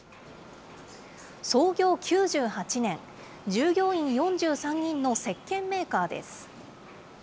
創業９８年、従業員４３人のせっけんメーカーです。